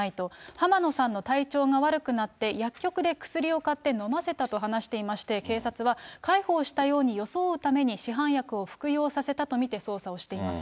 浜野さんの体調が悪くなって、薬局で薬を買って飲ませたと話していまして、警察は、介抱したように装うために、市販薬を服用させたと見て捜査をしています。